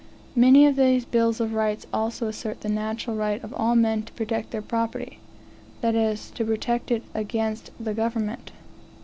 Many of these bills of rights also assert the natural right of all men to protect their property that is, to protect it against the government.